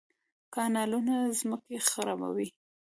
کانالونه ځمکې خړوبوي